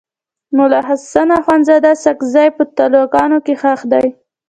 ملا حسن اخند ساکزی په تلوکان کي ښخ دی.